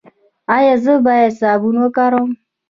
ایا زه باید صابون وکاروم؟